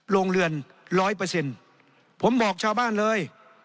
โรงเรือนร้อยเปอร์เซ็นต์ผมบอกชาวบ้านเลย